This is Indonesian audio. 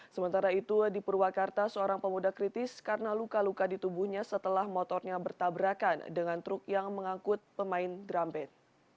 sementara itu di purwakarta seorang pemuda kritis karena luka luka di tubuhnya setelah motornya bertabrakan dengan truk yang mengangkut pemain drum band